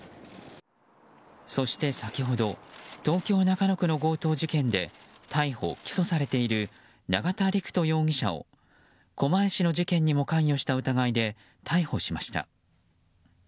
そして先ほど東京・中野区の強盗事件で逮捕・起訴されている永田陸人容疑者を狛江市の事件にも関与した疑いで逮捕しました。